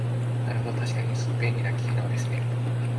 なるほど、確かに便利な機能ですね